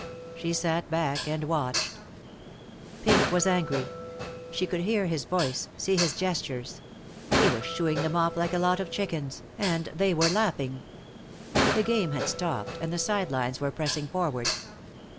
She sat back and watched. Pink was angry. She could hear his voice, see his gestures. He was shooing them off like a lot of chickens, and they were laughing. The game had stopped, and the side lines were pressing forward.